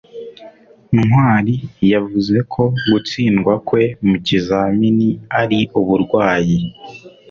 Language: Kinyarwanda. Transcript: ntwali yavuze ko gutsindwa kwe mu kizamini ari uburwayi